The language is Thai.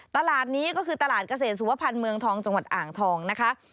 ตลาดนี้ก็คือตลาดเกษตรสุวพันธ์เมืองทองจังหวัดอ่างทองนะคะ